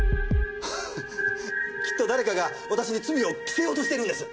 ハハきっと誰かが私に罪を着せようとしてるんです。